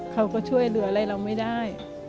เขาก็ช่วยเหลืออะไรเราไม่ได้